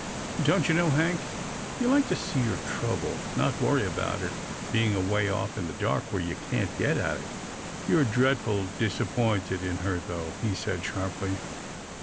Don't you know. Hank, you like to see your trouble — not to worry about it being away off in the dark where you can't get at it ?"" You're dreadful disappointed in her, though," he said, sharply.